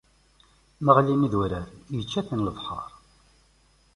Ma ɣlin yidurar, ičča-ten lebḥer.